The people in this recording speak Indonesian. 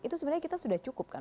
itu sebenarnya kita sudah cukup kan